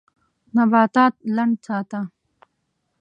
نباتات لند ساته.